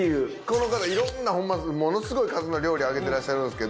この方いろんなものすごい数の料理上げてらっしゃるんです。